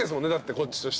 こっちとしては。